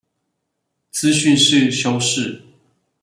資訊是修飾